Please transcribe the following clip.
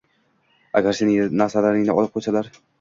Agar sening narsalaringni olib qo‘ysalar